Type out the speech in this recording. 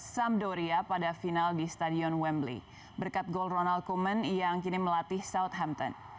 samdoria pada final di stadion wembley berkat gol ronald comman yang kini melatih southampton